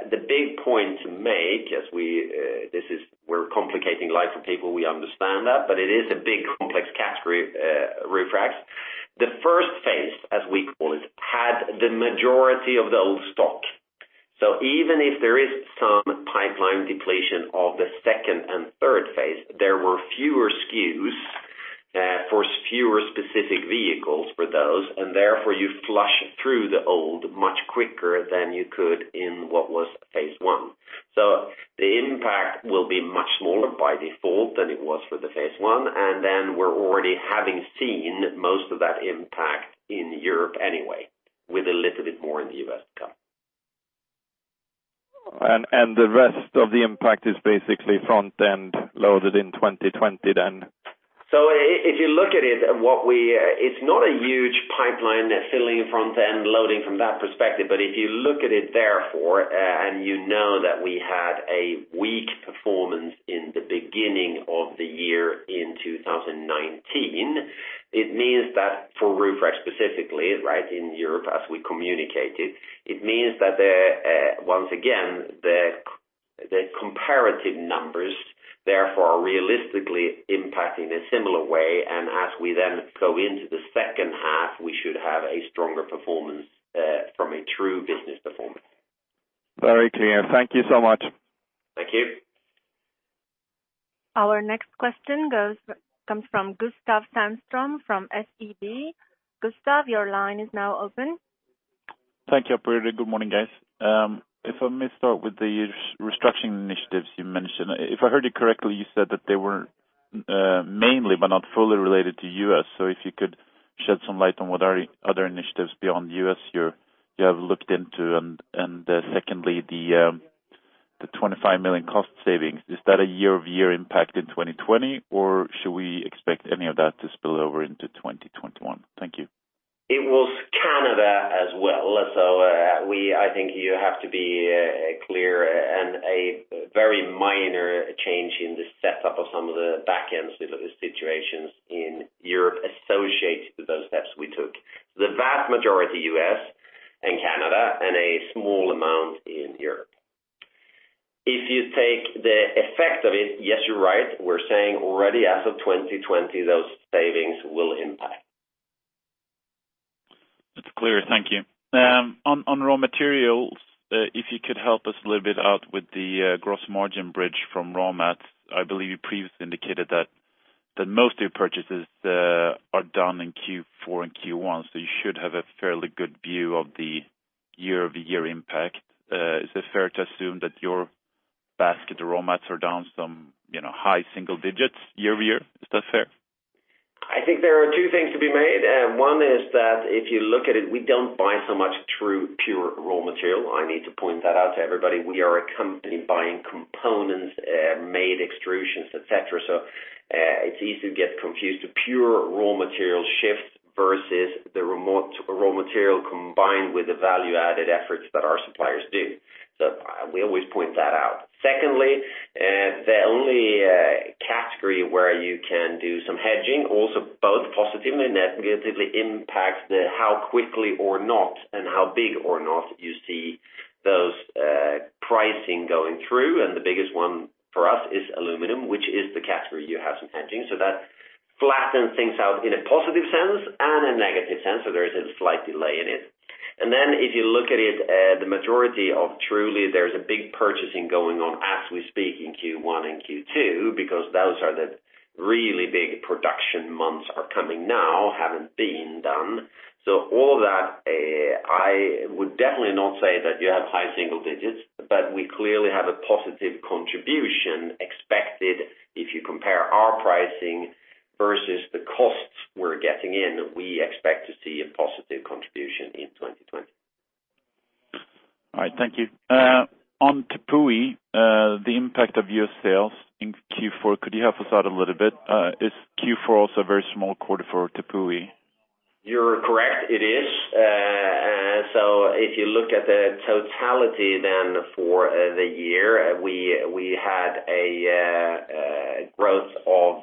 The big point to make as we're complicating life for people, we understand that, but it is a big complex category, roof racks. The first phase, as we call it, had the majority of the old stock. Even if there is some pipeline depletion of the second and third phase, there were fewer SKUs for fewer specific vehicles for those, and therefore you flush through the old much quicker than you could in what was phase I. The impact will be much smaller by default than it was for the phase one, and then we're already having seen most of that impact in Europe anyway, with a little bit more in the U.S. to come. The rest of the impact is basically front-end loaded in 2020 then? If you look at it's not a huge pipeline filling front end loading from that perspective. If you look at it therefore, and you know that we had a weak performance in the beginning of the year in 2019, it means that for roof racks specifically, right? In Europe, as we communicated, it means that once again, the comparative numbers therefore are realistically impacting a similar way. As we then go into the second half, we should have a stronger performance from a true business performance. Very clear. Thank you so much. Thank you. Our next question comes from Gustav Sjöholm from SEB. Gustav, your line is now open. Thank you, operator. Good morning, guys. If I may start with the restructuring initiatives you mentioned. If I heard you correctly, you said that they were mainly but not fully related to U.S. If you could shed some light on what are other initiatives beyond U.S. you have looked into? Secondly, the 25 million cost savings, is that a year-over-year impact in 2020? Should we expect any of that to spill over into 2021? Thank you. It was Canada as well. I think you have to be clear and a very minor change in the setup of some of the back end situations in Europe associated with those steps we took. The vast majority U.S. and Canada, and a small amount in Europe. If you take the effect of it, yes, you're right. We're saying already as of 2020, those savings will impact. It's clear. Thank you. Yeah. On raw materials, if you could help us a little bit out with the gross margin bridge from raw mats. I believe you previously indicated that most of your purchases are done in Q4 and Q1, you should have a fairly good view of the year-over-year impact. Is it fair to assume that your basket of raw mats are down some high single digits year-over-year? Is that fair? I think there are two things to be made. One is that if you look at it, we don't buy so much true, pure raw material. I need to point that out to everybody. We are a company buying components, made extrusions, et cetera. It's easy to get confused to pure raw material shifts versus the raw material combined with the value-added efforts that our suppliers do. We always point that out. Secondly, the only category where you can do some hedging, also both positively and negatively impacts the how quickly or not, and how big or not you see those pricing going through, and the biggest one for us is aluminum, which is the category you have some hedging. That flatten things out in a positive sense and a negative sense. There is a slight delay in it. If you look at it, the majority of Thule, there's a big purchasing going on as we speak in Q1 and Q2, because those are the really big production months are coming now, haven't been done. All that, I would definitely not say that you have high single digits, but we clearly have a positive contribution expected if you compare our pricing versus the costs we're getting in. We expect to see a positive contribution in 2020. All right, thank you. On Tepui, the impact of your sales in Q4, could you help us out a little bit? Is Q4 also a very small quarter for Tepui? You're correct. It is. If you look at the totality for the year, we had a growth of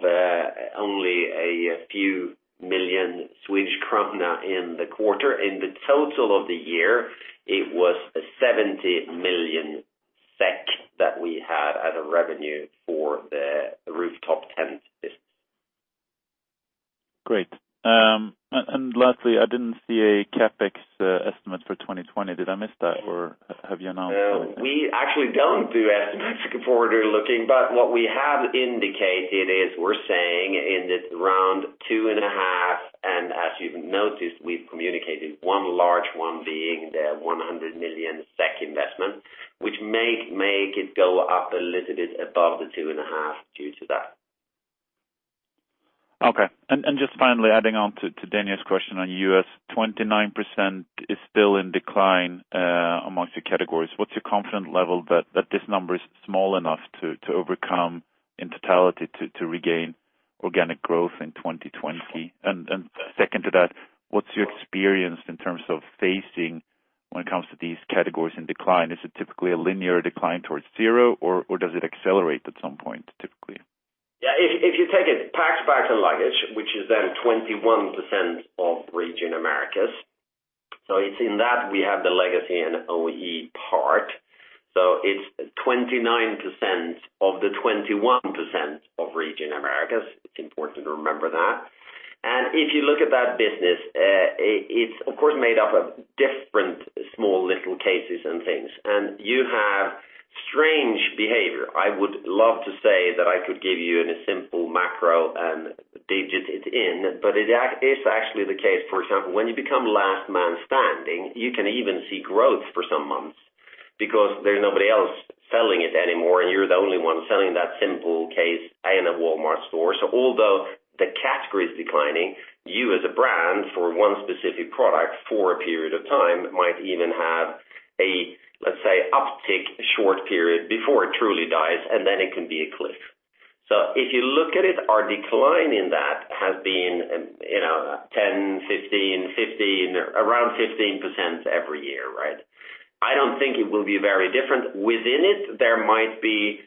only a few million Swedish kronor in the quarter. In the total of the year, it was 70 million SEK that we had as a revenue for the rooftop tents business. Great. Lastly, I didn't see a CapEx estimate for 2020. Did I miss that, or have you announced it? No. What we have indicated is we're saying in this round 2.5, and as you've noticed, we've communicated one large one being the 100 million SEK investment, which may make it go up a little bit above the 2.5 due to that. Okay. Just finally, adding on to Daniel's question on U.S., 29% is still in decline among your categories. What's your confident level that this number is small enough to overcome in totality to regain organic growth in 2020? Second to that, what's your experience in terms of facing when it comes to these categories in decline? Is it typically a linear decline towards zero, or does it accelerate at some point, typically? Yeah. If you take it Packs, Bags & Luggage, which is then 21% of region Americas. It's in that we have the legacy and OE part. It's 29% of the 21% of region Americas. It's important to remember that. If you look at that business, it's of course, made up of different small little cases and things, and you have strange behavior. I would love to say that I could give you in a simple macro and digit it in, but it is actually the case, for example, when you become last man standing, you can even see growth for some months because there's nobody else selling it anymore, and you're the only one selling that simple case in a Walmart store. Although the category is declining, you as a brand for one specific product for a period of time might even have a, let's say, uptick short period before it truly dies, and then it can be a cliff. If you look at it, our decline in that has been 10, 15, around 15% every year, right. I don't think it will be very different within it. There might be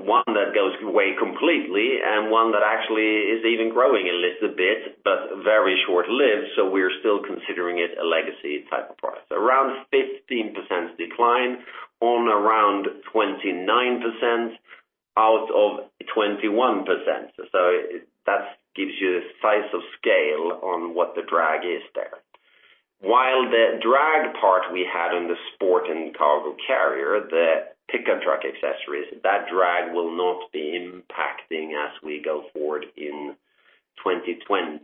one that goes away completely and one that actually is even growing a little bit, but very short-lived, so we're still considering it a legacy type of product. Around 15% decline on around 29% out of 21%. That gives you the size of scale on what the drag is there. While the drag part we had on the Sport & Cargo Carriers, the pickup truck accessories, that drag will not be impacting as we go forward in 2020.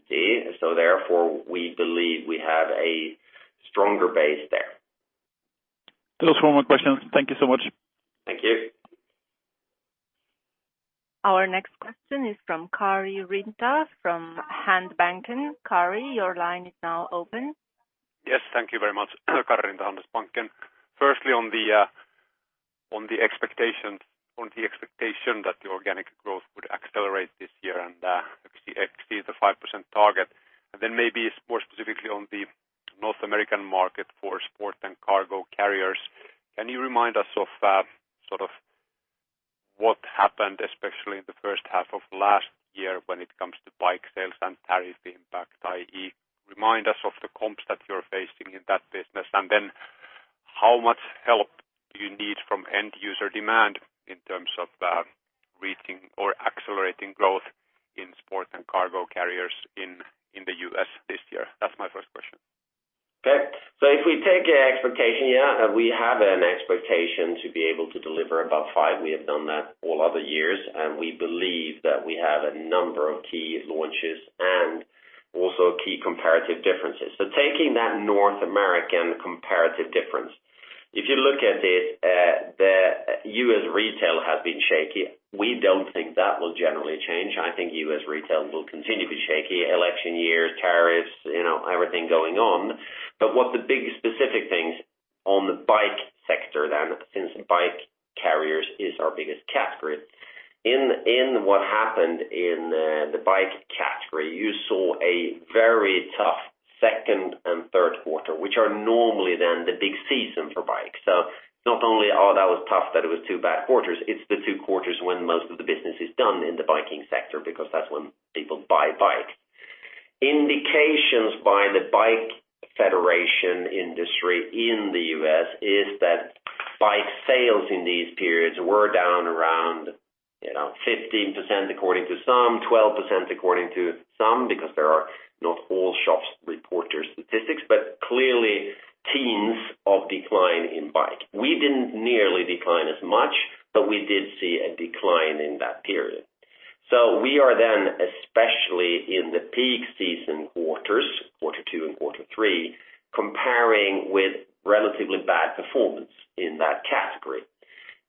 Therefore, we believe we have a stronger base there. Those were my questions. Thank you so much. Thank you. Our next question is from Karri Rinta from Handelsbanken. Karri, your line is now open. Yes. Thank you very much. Karri Rinta, Handelsbanken. Firstly, on the expectation that the organic growth would accelerate this year and exceed the 5% target, and then maybe more specifically on the North American market for Sport & Cargo Carriers, can you remind us of sort of what happened, especially in the first half of last year when it comes to bike sales and tariff impact, i.e., remind us of the comps that you're facing in that business, and then how much help do you need from end user demand in terms of reaching or accelerating growth in Sport & Cargo Carriers in the U.S. this year? That's my first question. Okay. If we take expectation, we have an expectation to be able to deliver above five. We have done that all other years, and we believe that we have a number of key launches and also key comparative differences. Taking that North American comparative difference, if you look at it, the U.S. retail has been shaky. We don't think that will generally change. I think U.S. retail will continue to be shaky, election year, tariffs, everything going on. What the big specific things on the bike sector then, since bike carriers is our biggest category. What happened in the bike category, you saw a very tough second and third quarter, which are normally then the big season for bikes. Not only that was tough that it was two bad quarters, it's the two quarters when most of the business is done in the biking sector because that's when people buy a bike. Indications by the Bike Federation industry in the U.S. is that bike sales in these periods were down around 15%, according to some, 12% according to some, because there are not all shops report their statistics, but clearly teens of decline in bike. We didn't nearly decline as much, but we did see a decline in that period. We are then, especially in the peak season quarters, quarter two and quarter three, comparing with relatively bad performance in that category.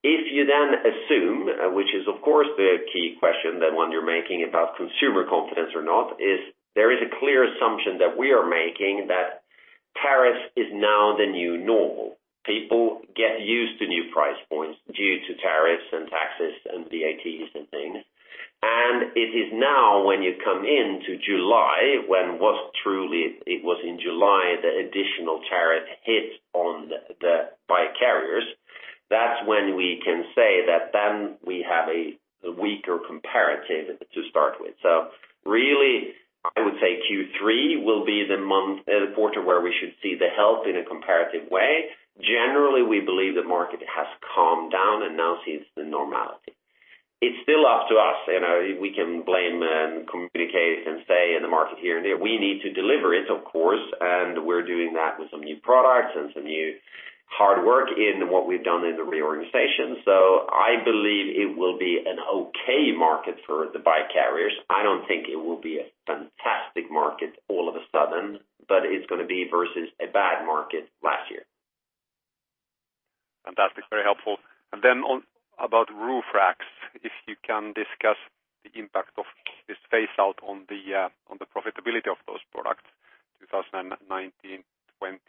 If you assume, which is of course the key question, the one you're making about consumer confidence or not, is there is a clear assumption that we are making that tariffs is now the new normal. People get used to new price points due to tariffs and taxes and VATs and things. It is now when you come into July, when what truly it was in July, the additional tariff hit on the bike carriers. That's when we can say that then we have a weaker comparative to start with. Really, I would say Q3 will be the quarter where we should see the health in a comparative way. Generally, we believe the market has calmed down and now sees the normality. It's still up to us. We can blame and communicate and say in the market here and there, we need to deliver it, of course, and we're doing that with some new products and some new hard work in what we've done in the reorganization. I believe it will be an okay market for the bike carriers. I don't think it will be a fantastic market all of a sudden, but it's going to be versus a bad market last year. Fantastic. Very helpful. About roof racks, if you can discuss the impact of this phase out on the profitability of those products, 2019, 2020,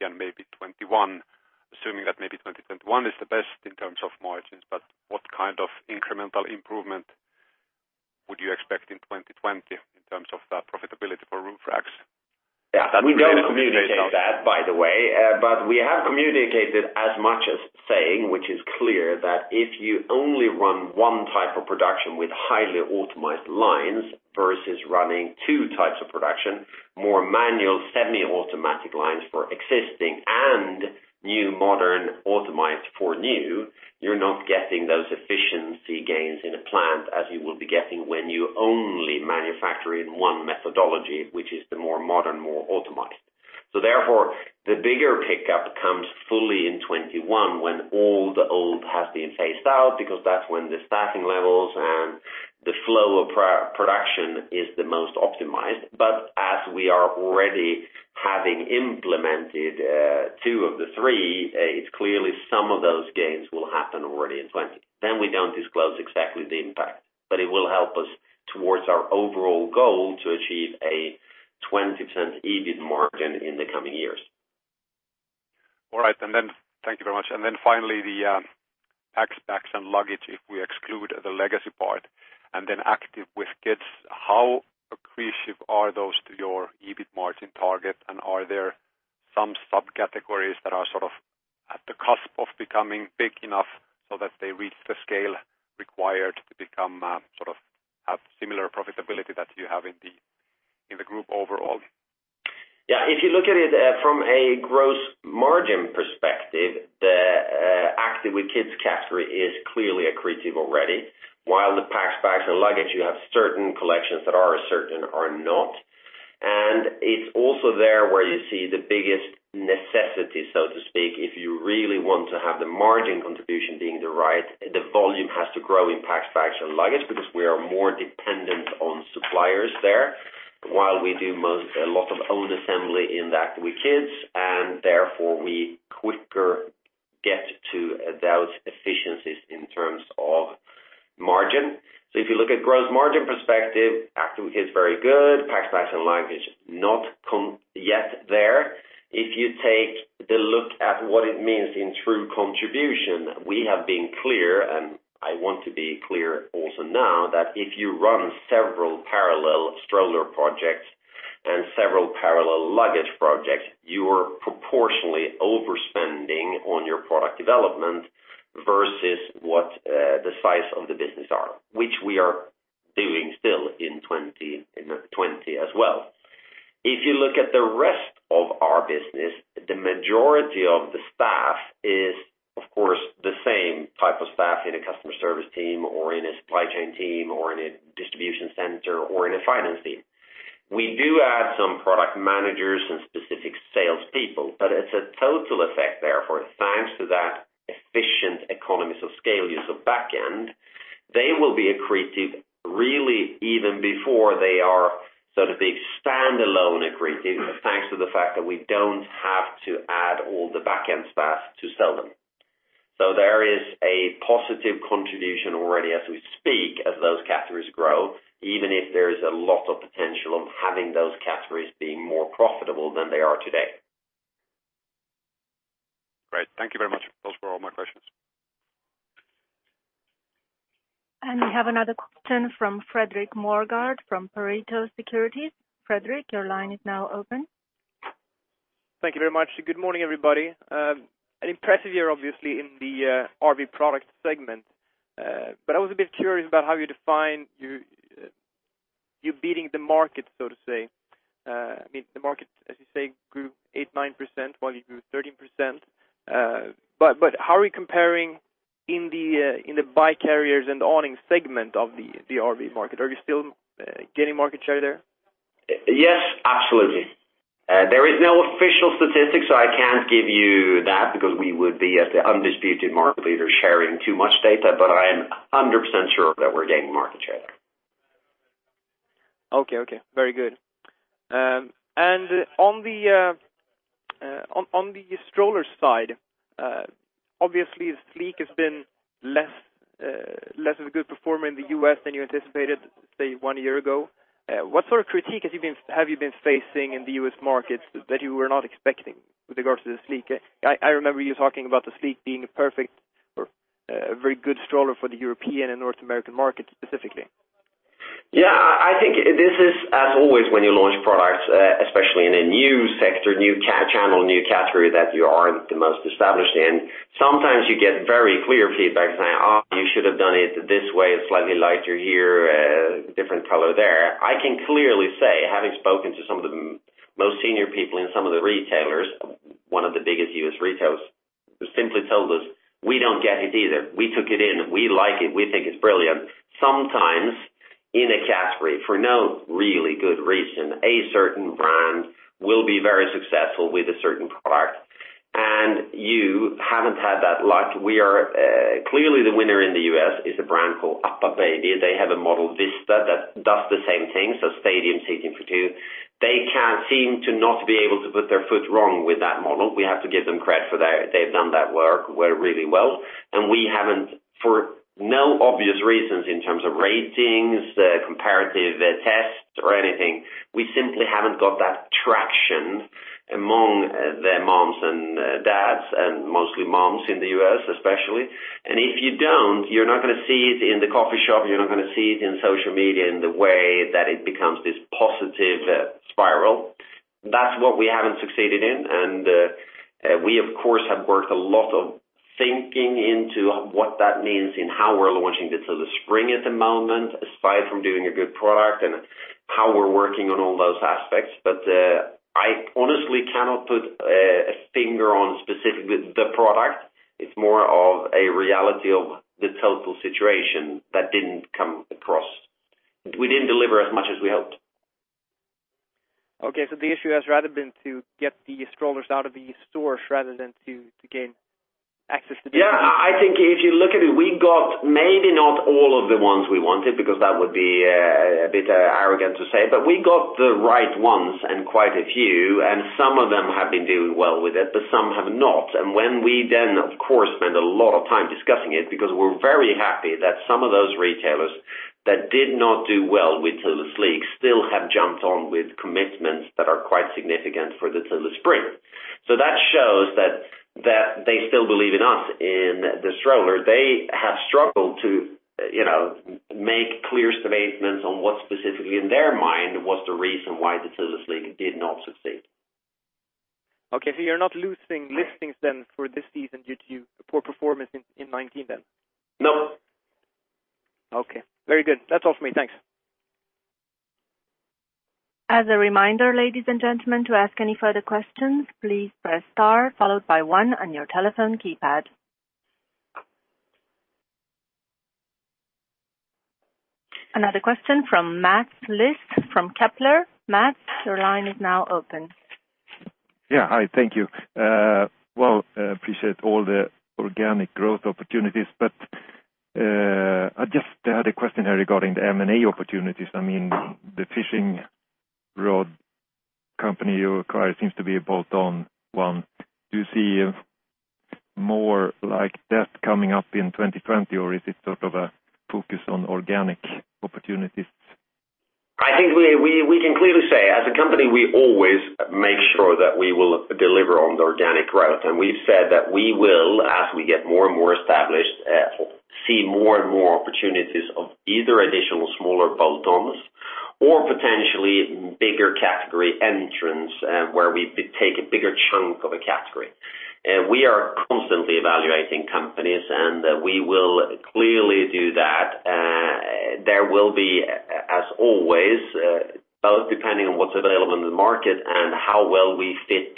and maybe 2021, assuming that maybe 2021 is the best in terms of margins, but what kind of incremental improvement would you expect in 2020 in terms of the profitability for roof racks? Yeah, we don't communicate that, by the way, but we have communicated as much as saying, which is clear that if you only run one type of production with highly optimized lines versus running two types of production, more manual semi-automatic lines for existing and new modern optimized for new, you're not getting those efficiency gains in a plant as you will be getting when you only manufacture in one methodology, which is the more modern, more optimized. Therefore, the bigger pickup comes fully in 2021 when all the old has been phased out because that's when the staffing levels and the flow of production is the most optimized. As we are already having implemented two of the three, it's clearly some of those gains will happen already in 2020. We don't disclose exactly the impact, but it will help us towards our overall goal to achieve a 20% EBIT margin in the coming years. All right. Thank you very much. Then finally, the Packs, Bags & Luggage, if we exclude the legacy part and then Active with Kids, how accretive are those to your EBIT margin target? Are there some subcategories that are sort of at the cusp of becoming big enough so that they reach the scale required to become sort of have similar profitability that you have in the group overall? Yeah. If you look at it from a gross margin perspective, the Active with Kids category is clearly accretive already. While the Packs, Bags & Luggage, you have certain collections that are certain or not. It's also there where you see the biggest necessity, so to speak, if you really want to have the margin contribution being the right, the volume has to grow in Packs, Bags & Luggage because we are more dependent on suppliers there while we do a lot of own assembly in the Active with Kids, and therefore we quicker get to those efficiencies in terms of margin. So if you look at gross margin perspective, Active with Kids very good, Packs, Bags & Luggage, not yet there. If you take the look at what it means in true contribution, we have been clear, and I want to be clear also now that if you run several parallel stroller projects and several parallel luggage projects, you are proportionally overspending on your product development versus what the size of the business are, which we are doing still in 2020 as well. If you look at the rest of our business, the majority of the staff is, of course, the same type of staff in a customer service team or in a supply chain team or in a distribution center or in a finance team. We do add some product managers and specific salespeople, it's a total effect there for thanks to that efficient economies of scale use of back end, they will be accretive really even before they are sort of a standalone accretive, thanks to the fact that we don't have to add all the back-end staff to sell them. There is a positive contribution already as we speak, as those categories grow, even if there is a lot of potential of having those categories being more profitable than they are today. Great. Thank you very much. Those were all my questions. We have another question from Fredrik Moregård from Pareto Securities. Fredrik, your line is now open. Thank you very much. Good morning, everybody. An impressive year, obviously, in the RV Products segment. I was a bit curious about how you define you beating the market, so to say. The market, as you say, grew 8%-9%, while you grew 13%. How are we comparing in the bike carriers and awnings segment of the RV market? Are you still gaining market share there? Yes, absolutely. There is no official statistics, so I can't give you that because we would be, as the undisputed market leader, sharing too much data. I am 100% sure that we're gaining market share. Okay. Very good. On the stroller side, obviously the Thule Sleek has been less of a good performer in the U.S. than you anticipated, say, one year ago. What sort of critique have you been facing in the U.S. markets that you were not expecting with regards to the Thule Sleek? I remember you talking about the Thule Sleek being a perfect or a very good stroller for the European and North American market specifically. Yeah, I think this is as always, when you launch products, especially in a new sector, new channel, new category that you aren't the most established in, sometimes you get very clear feedback saying, "Oh, you should have done it this way. It's slightly lighter here, a different color there." I can clearly say, having spoken to some of the most senior people in some of the retailers, one of the biggest U.S. retailers simply told us, "We don't get it either. We took it in. We like it. We think it's brilliant." Sometimes in a category, for no really good reason, a certain brand will be very successful with a certain product, and you haven't had that luck. Clearly, the winner in the U.S. is a brand called UPPAbaby. They have a model, Vista, that does the same thing, so stadium seating for two. They can seem to not be able to put their foot wrong with that model. We have to give them credit for that. They've done that work really well. We haven't, for no obvious reasons in terms of ratings, the comparative tests or anything, we simply haven't got that traction among the moms and dads, and mostly moms in the U.S. especially. If you don't, you're not going to see it in the coffee shop, you're not going to see it in social media in the way that it becomes this positive spiral. That's what we haven't succeeded in, we of course have worked a lot of thinking into what that means in how we're launching the Thule Spring at the moment, aside from doing a good product and how we're working on all those aspects. I honestly cannot put a finger on specifically the product. It's more of a reality of the total situation that didn't come across. We didn't deliver as much as we hoped. Okay, the issue has rather been to get the strollers out of the stores rather than to gain access to them? I think if you look at it, we got maybe not all of the ones we wanted because that would be a bit arrogant to say, but we got the right ones and quite a few, and some of them have been doing well with it, but some have not. When we then, of course, spend a lot of time discussing it because we're very happy that some of those retailers that did not do well with Thule Sleek still have jumped on with commitments that are quite significant for the Thule Spring. That shows that they still believe in us, in the stroller. They have struggled to make clear statements on what specifically in their mind was the reason why the Thule Sleek did not succeed. Okay, you're not losing listings then for this season due to poor performance in 2019 then? No. Okay. Very good. That's all for me. Thanks. As a reminder, ladies and gentlemen, to ask any further questions, please press star followed by one on your telephone keypad. Another question from Mats Liss from Kepler. Mats, your line is now open. Yeah, hi. Thank you. Well, appreciate all the organic growth opportunities, but I just had a question here regarding the M&A opportunities. The fishing rod company you acquired seems to be a bolt-on one. Do you see more like that coming up in 2020, or is it sort of a focus on organic opportunities? I think we can clearly say, as a company, we always make sure that we will deliver on the organic growth. We've said that we will, as we get more and more established, see more and more opportunities of either additional smaller bolt-ons or potentially bigger category entrants where we take a bigger chunk of a category. We are constantly evaluating companies, we will clearly do that. There will be, as always, both depending on what's available in the market and how well we fit.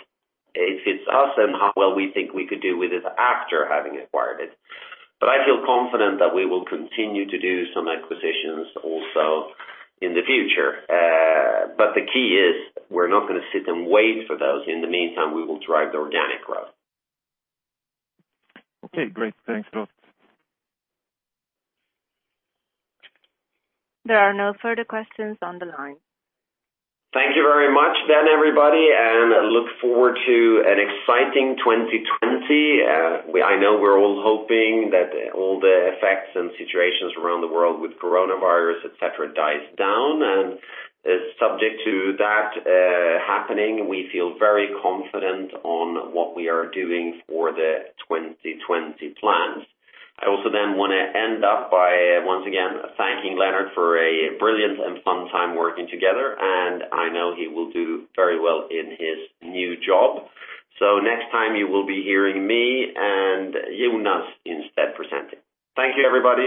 It fits us and how well we think we could do with it after having acquired it. I feel confident that we will continue to do some acquisitions also in the future. The key is we're not going to sit and wait for those. In the meantime, we will drive the organic growth. Okay, great. Thanks a lot. There are no further questions on the line. Thank you very much, everybody, and look forward to an exciting 2020. I know we're all hoping that all the effects and situations around the world with coronavirus, et cetera, dies down, and subject to that happening, we feel very confident on what we are doing for the 2020 plans. I also then want to end up by once again thanking Lennart for a brilliant and fun time working together, and I know he will do very well in his new job. Next time you will be hearing me and Jonas instead presenting. Thank you, everybody.